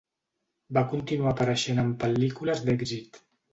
Va continuar apareixent en pel·lícules d'èxit.